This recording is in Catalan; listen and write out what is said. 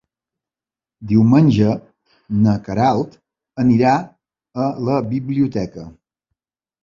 Diumenge na Queralt anirà a la biblioteca.